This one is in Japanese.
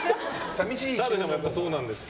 澤部さんもそうなんですか？